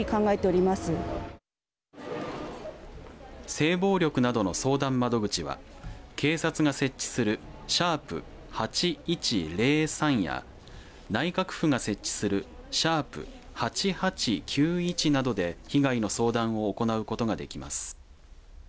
性暴力などの相談窓口は警察が設置する♯８１０３や内閣府が設置する♯８８９１などで被害の相談を行うことができます。